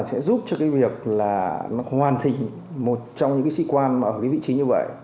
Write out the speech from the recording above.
nó sẽ giúp cho việc hoàn thành một trong những sĩ quan ở vị trí như vậy